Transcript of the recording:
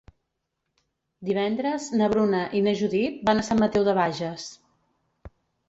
Divendres na Bruna i na Judit van a Sant Mateu de Bages.